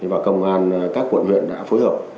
và công an các quận huyện đã phối hợp